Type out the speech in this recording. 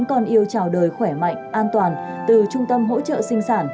con yêu trào đời khỏe mạnh an toàn từ trung tâm hỗ trợ sinh sản